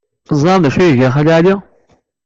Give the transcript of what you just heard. Teẓram d acu ay iga Xali Ɛli?